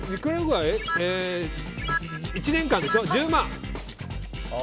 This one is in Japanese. １年間でしょ、１０万。